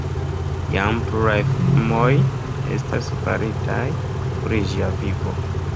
Jam pluraj filmoj estas faritaj pri ĝia vivo.